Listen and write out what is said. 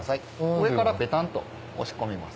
上からペタンと押し込みます。